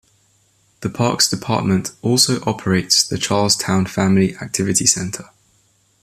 The Parks Department also operates the Charlestown Family Activity Center.